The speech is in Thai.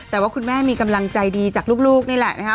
แต่ว่าคุณแม่มีกำลังใจดีจากลูกนี่แหละนะคะ